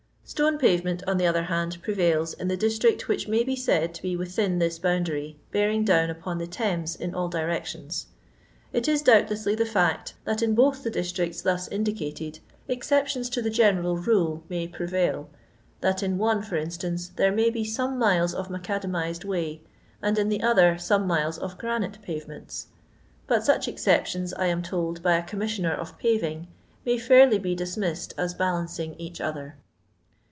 Stone pavement, on the other hand, prevails in the district which may be said to be within this boundary, bearing down upon the Thames in all directions. It is, doubtlessly, the fiict that in both the dis tricts thus indicated exceptions to the general rule may prevail — that in one, Ibr instance, there may be some miles of macadamised vray, and in the other some miles of granite pavements ; but such exceptions, I am told by a Commissioner of Paving, may fiurly be diinussed as balancing each other.